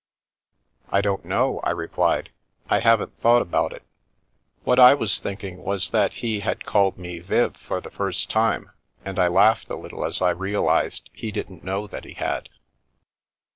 "" I don't know," I replied, " I haven't thought about it." What I was thinking was that he had called me " Viv " for the first time, and I laughed a little as I re alised he didn't know that he had.